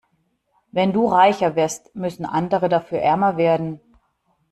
Wenn du reicher wirst, müssen andere dafür ärmer werden.